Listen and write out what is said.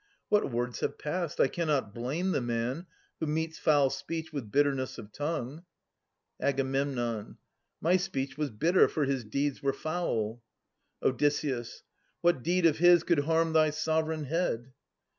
What words have passed? I cannot blame the man Who meets foul speech with bitterness of tongue. Ag. My speech was bitter, for his deeds were foul. Od. What deed of his could harm thy sovereign head?